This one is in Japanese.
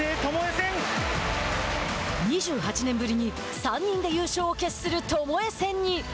２８年ぶりに３人で優勝を決するともえ戦に。